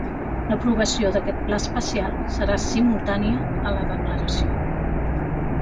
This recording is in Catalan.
L'aprovació d'aquest pla especial serà simultània a la declaració.